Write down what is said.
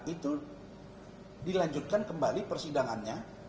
itu dilanjutkan kembali persidangannya